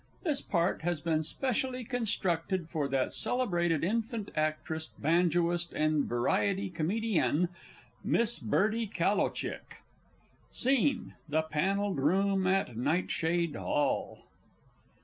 This part has been specially constructed for that celebrated Infant Actress, Banjoist, and Variety Comédienne, Miss BIRDIE CALLOWCHICK. SCENE _The Panelled Room at Nightshade Hall.